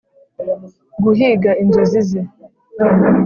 guhiga inzozi ze.